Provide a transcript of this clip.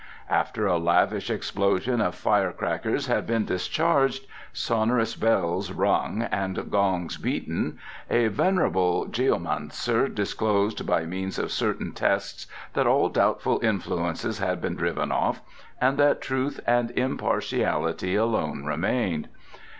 After a lavish explosion of fire crackers had been discharged, sonorous bells rung and gongs beaten, a venerable geomancer disclosed by means of certain tests that all doubtful influences had been driven off and that truth and impartiality alone remained.